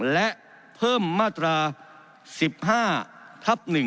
และเพิ่มมาตรา๑๕ทับ๑